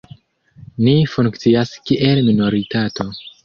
Ni funkcias kiel minoritato.